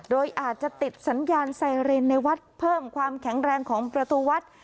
โดยอาจจะติดสัญญาณไซเรนในวัดเพิ่มความแข็งแรงของประตูวัด